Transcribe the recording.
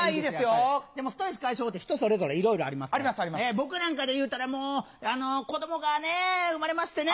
僕なんかでいうたら子供が生まれましてね。